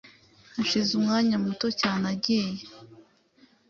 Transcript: hashize umwanya muto cyane agiye